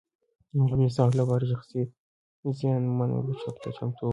هغه د انصاف لپاره شخصي زيان منلو ته چمتو و.